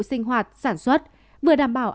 sinh hoạt sản xuất vừa đảm bảo